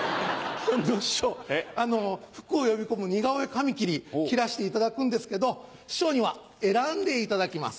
師匠福を呼び込む似顔絵紙切り切らしていただくんですけど師匠には選んでいただきます。